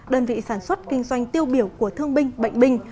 đơn vị sản xuất kinh doanh tiêu biểu của thương binh bệnh binh